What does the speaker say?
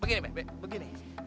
begini mbak begini